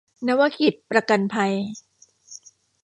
นวกิจประกันภัย